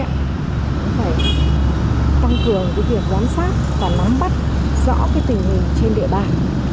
cũng phải tăng cường việc giám sát và nắm bắt rõ tình hình trên địa bàn